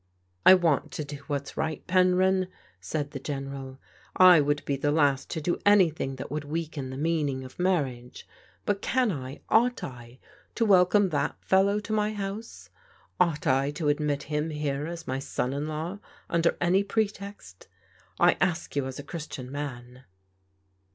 " I want to do what's right, Penryn," said the General. I would be the last to do anything that would weaken the meaning of marriage. But can I, ought I, to welcome that fellow to my house? Ought I to admit him here as my son in law under any pretext? I ask you as a Christian man."